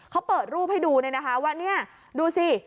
เขาเปิดรูปให้ดูเนี่ยนะคะว่าเนี่ยดูสิ